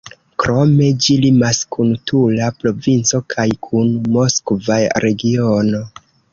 Krome, ĝi limas kun Tula provinco kaj kun Moskva regiono.